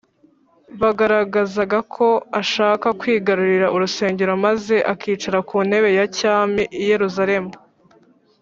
bagaragazaga ko ashaka kwigarurira urusengero maze akicara ku ntebe ya cyami i yerusalemu